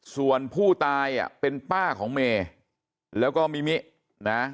ส่วนผู้ตายเป็นป้าของเมแล้วก็มิมินะ